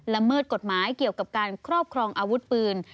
เมิดกฎหมายเกี่ยวกับการครอบครองอาวุธปืน